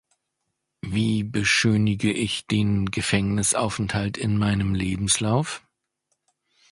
Wie beschönige ich den Gefängnisaufenthalt in meinem Lebenslauf?